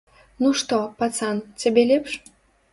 Ну што, пацан, цябе лепш?